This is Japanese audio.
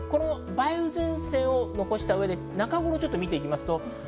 梅雨前線を残した上で中頃をちょっと見ていきます。